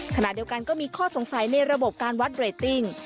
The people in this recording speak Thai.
ขณะเดียวกันก็มีข้อสงสัยในระบบการวัดเรตติ้ง